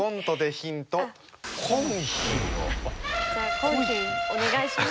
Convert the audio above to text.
じゃあコンヒンお願いします。